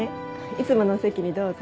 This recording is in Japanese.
いつものお席にどうぞ。